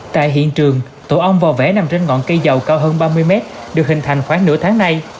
tại hiện trường tổ ong vò vẽ nằm trên ngọn cây dầu cao hơn ba mươi mét được hình thành khoảng nửa tháng nay